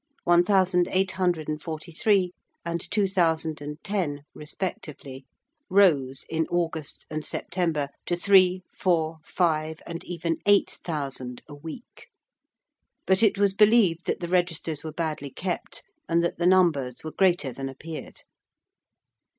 _)] The deaths, which in the four weeks of July numbered 725, 1,089, 1,843, and 2,010, respectively, rose in August and September to three, four, five, and even eight thousand a week: but it was believed that the registers were badly kept and that the numbers were greater than appeared.